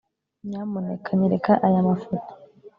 Nyamuneka nyereka aya mafoto